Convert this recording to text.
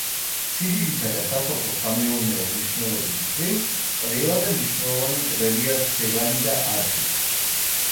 სიდიდითა და სასოფლო-სამეურნეო მნიშვნელობის მხრივ ყველაზე მნიშვნელოვანი ტბებია სევანი და არფი.